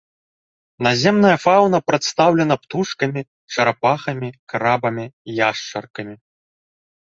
Наземная фаўна прадстаўлена птушкамі, чарапахамі, крабамі, яшчаркамі.